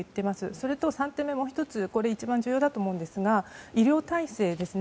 それと、３点目これが一番重要だと思いますが医療体制ですね。